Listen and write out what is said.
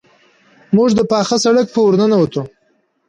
موږ د پاخه سړک په ورننوتو.